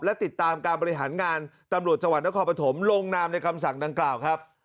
และติดตามการบริหารงานตำรวจจังหวัดนครปฐมลงนามในคำสั่งดังกล่าวครับ